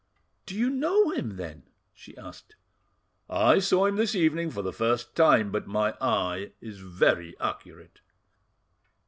"Do you know him, then?" she asked. "I saw him this evening for the first time, but my eye is very accurate.